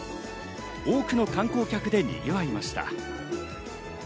多くの観光客でにぎわいました。